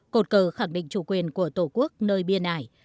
cột cờ khẳng định chủ quyền của tổ quốc nơi biên ải